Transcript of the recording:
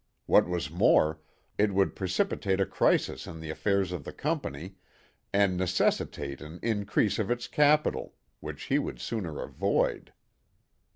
What was more, it would precipitate a crisis in the affairs of the company and necessitate an increase of its capital, which he would sooner avoid.